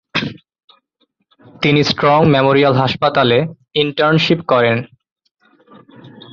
তিনি Strong Memorial হাসপাতালে internship করেন।